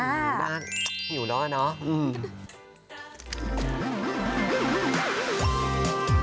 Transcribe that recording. ได้อยู่แล้วเนอะ